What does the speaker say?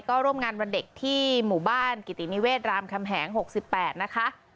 ก็ร่วมงานวันเด็กที่หมู่บ้านกิตินิเวศรามคำแหง๖๘นะคะ